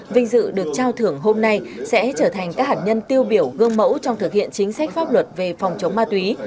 vinh dự được trao thưởng hôm nay sẽ trở thành các hạt nhân tiêu biểu gương mẫu trong thực hiện chính sách pháp luật về phòng chống ma túy